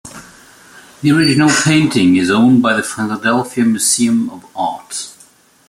The original painting is owned by the Philadelphia Museum of Art.